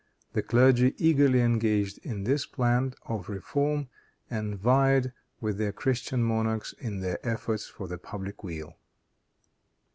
The clergy eagerly engaged in this plan of reform, and vied with their Christian monarch in their efforts for the public weal.